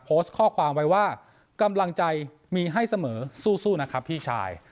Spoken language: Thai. โพสต์ข้อความไว้ว่ากำลังใจมีให้เสมอสู้นะครับพี่ชาย